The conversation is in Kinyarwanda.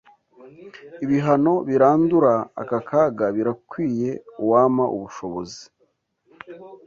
ibihano birandura aka kaga birakwiye uwampa ubushobozi